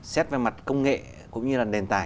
xét về mặt công nghệ cũng như nền tài